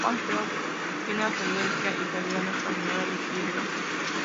John Theodore Rossi tiene ascendencia italiana, española y siria.